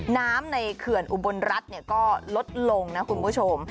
น้ำในเขื่อนอุบลรัฐก็ลดลงนะคุณผู้ชม